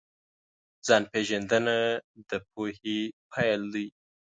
ځان پېژندنه د پوهې پیل دی.